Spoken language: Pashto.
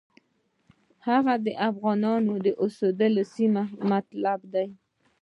هغه د افغانانو د اوسېدلو سیمه یې مطلب ده.